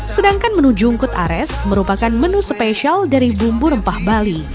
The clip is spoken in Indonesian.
sedangkan menu jungkut ares merupakan menu spesial dari bumbu rempah bali